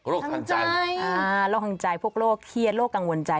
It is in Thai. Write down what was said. ทางใจโรคทางใจพวกโรคเครียดโรคกังวลใจ